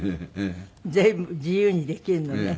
随分自由にできるのね。